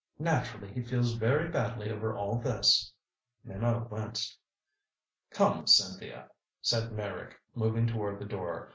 Naturally he feels very badly over all this." Minot winced. "Come, Cynthia," said Meyrick, moving toward the door.